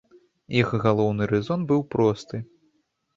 Іх галоўны рэзон быў просты.